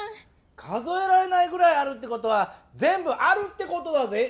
数えられないぐらいあるってことはぜんぶあるってことだぜ！